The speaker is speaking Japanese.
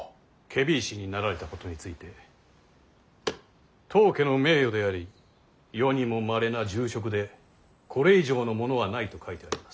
検非違使になられたことについて「当家の名誉であり世にもまれな重職でこれ以上のものはない」と書いてあります。